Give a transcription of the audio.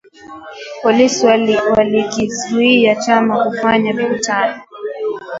Polisi walikizuia chama kufanya mikutano